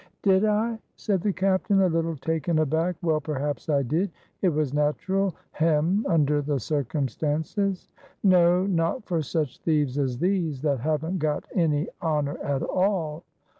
"Did I?" said the captain, a little taken aback. "Well, perhaps I did; it was natural, hem, under the circumstances. No! not for such thieves as these, that haven't got any honor at all."